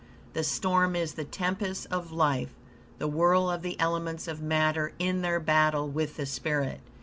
The storm is the tempest of life, the whirl of the elements of matter in their battle with the spirit.